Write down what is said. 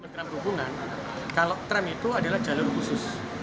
tram hubungan kalau tram itu adalah jalur khusus